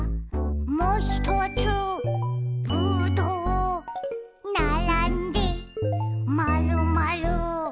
「もひとつぶどう」「ならんでまるまる」